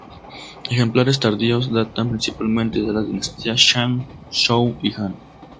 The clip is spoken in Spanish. Ejemplares tardíos datan principalmente de las dinastías Shang, Zhou y Han.